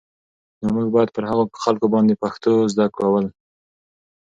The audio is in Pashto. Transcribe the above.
نو موږ بايد پر هغو خلکو باندې پښتو زده کول